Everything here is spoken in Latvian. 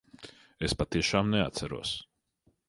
Es patiešām neatceros.